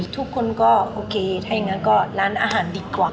ทุกคนก็โอเคถ้าอย่างนั้นก็ร้านอาหารดีกว่า